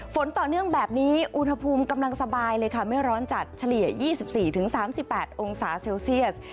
ฝนต่อเนื่องแบบนี้อุณหภูมิกำลังสบายเลยค่ะไม่ร้อนจัดเฉลี่ย๒๔๓๘องศาเซลเซียส